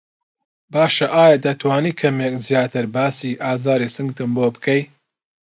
باشه ئایا دەتوانی کەمێک زیاتر باسی ئازاری سنگتم بۆ بکەی؟